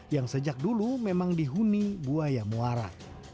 yang sejak dulu memang dihuni buaya muara